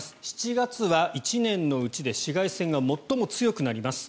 ７月は１年のうちで紫外線が最も強くなります。